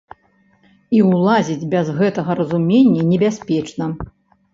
І ўлазіць без гэтага разумення небяспечна.